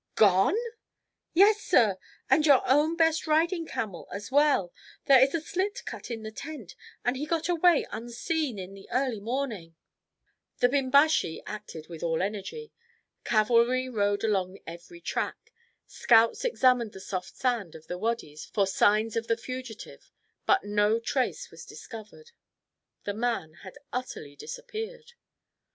"Gone!" "Yes, sir, and your own best riding camel as well. There is a slit cut in the tent, and he got away unseen in the early morning." The Bimbashi acted with all energy. Cavalry rode along every track; scouts examined the soft sand of the wadys for signs of the fugitive, but no trace was discovered. The man had utterly disappeared.